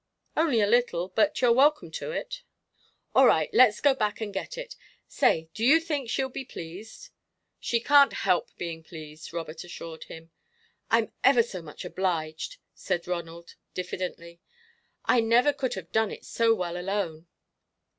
"Only a little, but you're welcome to it." "All right, let's go back and get it. Say, do you think she'll be pleased?" "She can't help being pleased," Robert assured him. "I'm ever so much obliged," said Ronald diffidently. "I never could have done it so well alone."